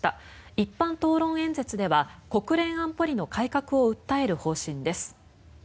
一般討論演説では国連安保理の改革を訴える方針です。